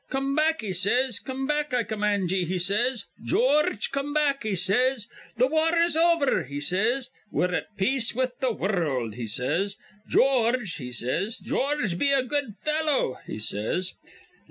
'Come back,' he says. 'Come back, I command ye,' he says. 'George, come back,' he says. 'Th' war is over,' he says. 'We're at peace with th' wurruld,' he says. 'George,' he says, 'George, be a good fellow,' he says.